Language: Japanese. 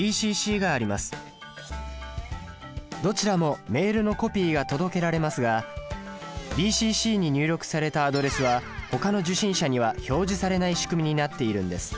どちらもメールのコピーが届けられますがＢＣＣに入力されたアドレスは他の受信者には表示されない仕組みになっているんです。